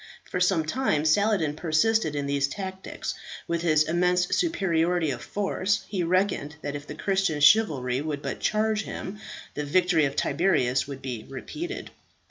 For some time Saladin persisted in these tactics. With his immense superiority of force he reckoned that if the Christian chivalry would but charge him, the victory of Tiberias would be repeated.